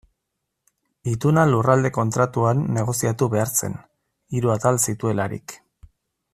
Ituna Lurralde Kontratuan negoziatu behar zen, hiru atal zituelarik.